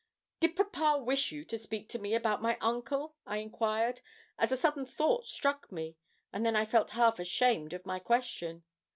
'Did papa wish you to speak to me about my uncle?' I enquired, as a sudden thought struck me; and then I felt half ashamed of my question.